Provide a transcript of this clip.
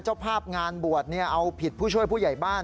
เจ้าภาพงานบวชเอาผิดผู้ช่วยผู้ใหญ่บ้าน